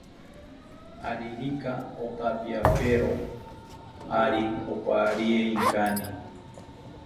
Aririka otampiapero, ari oparie inkani